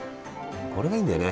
これがいいんだよね。